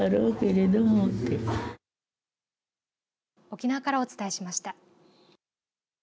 沖縄からお伝えしました。